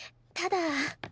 ただ。